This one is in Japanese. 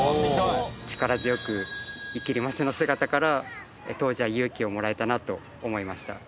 力強く生きる松の姿から当時は勇気をもらえたなと思いました。